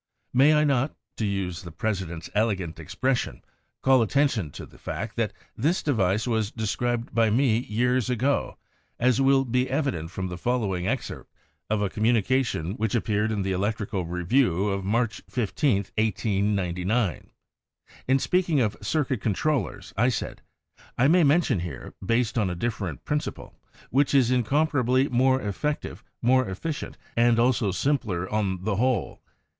May I not — to use the President's elegant expression — call attention to the fact that this device was described by me years ago, as will be evident from the following excerpt of a communication which appeared in the Elec trical Review of March 15, 1899. In speak ing of circuit controllers, I said: "I may mention here, based on a different principle, which is incomparably more effective, more efficient, and also simpler on the whole.